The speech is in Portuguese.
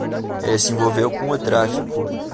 Ele se envolveu com o tráfico.